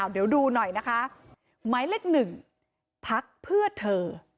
เดี๋ยวดูหน่อยนะคะหมายเลข๑พักเพื่อเธอ